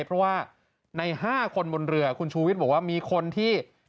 เพราะว่าใน๕คนบนเรือคุณชูวิทย์บอกว่ามีคนที่